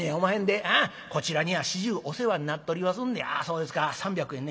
ああこちらには始終お世話になっとりますんでああそうですか３００円ね。